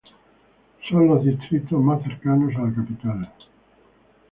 Son los distritos más cercanos a la capital.